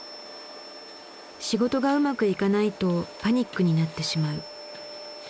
仕事がうまくいかないとパニックになってしまう。